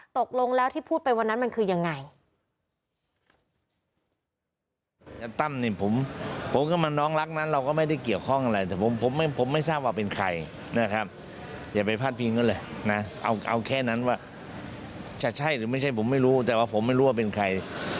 ตกลงแล้วที่พูดไปวันนั้นมันคือยังไง